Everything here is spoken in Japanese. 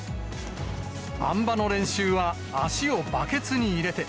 あん馬の練習は足をバケツに入れて。